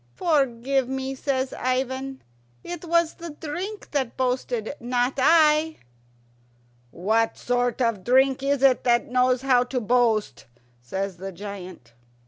"Forgive me," says Ivan; "it was the drink that boasted, not I." "What sort of drink is it that knows how to boast?" says the giant.